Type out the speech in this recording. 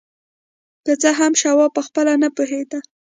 که څه هم شواب پخپله نه پوهېده.